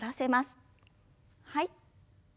はい。